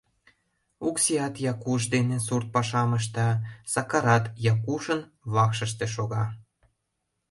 Оксиат Якуш дене сурт пашам ышта, Сакарат Якушын вакшыште шога.